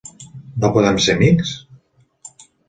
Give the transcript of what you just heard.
No podem ser amics?